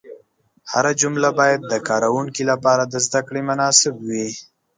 هره جمله باید د کاروونکي لپاره د زده کړې مناسب وي.